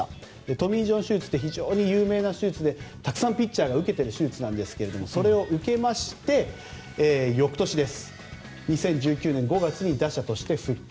トミー・ジョン手術という非常に有名な手術でたくさんピッチャーが受けている手術なんですがそれを受けまして翌年、２０１９年５月に打者として復帰。